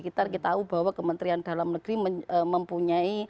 kita tahu bahwa kementerian dalam negeri mempunyai